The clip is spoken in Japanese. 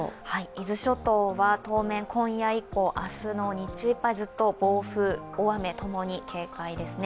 伊豆諸島は当面、今夜以降、明日、日中以降ずっと暴風、大雨共に警戒ですね。